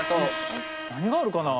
何があるかな。